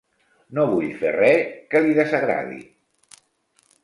No vull fer res que li desagradi.